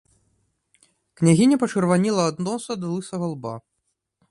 Княгіня пачырванела ад носа да лысага лба.